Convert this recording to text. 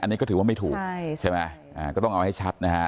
อันนี้ก็ถือว่าไม่ถูกใช่ไหมก็ต้องเอาให้ชัดนะฮะ